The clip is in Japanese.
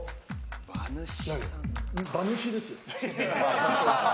馬主ですよ。